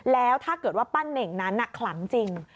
แล้วถ้าเกิดว่าปั้นเน่งนั้นขลังจริง